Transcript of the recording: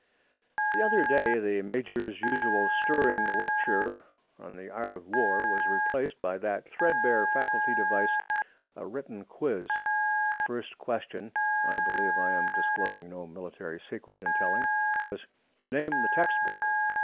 The other day the major's usual stirring lecture on the art of war was replaced by that threadbare faculty device, a written quiz. The first question (I believe I am disclosing no military secret in telling) was, 'Name the textbook.'